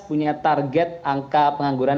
punya target angka pengangguran